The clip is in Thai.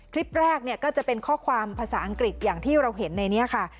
คลิปแรกเนี่ยก็จะเป็นข้อความภาษาอังกฤษอย่างที่เราเห็นในนี้ค่ะ